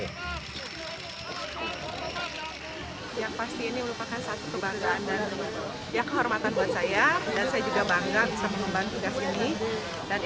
yang pasti ini merupakan satu kebanggaan dan kehormatan buat saya dan saya juga bangga bisa menembangkan kas ini